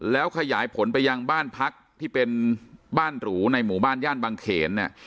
แล้วขยายผลไปยังบ้านพักที่เป็นบ้านหรูในหมู่บ้านย่านบางเขนเนี่ย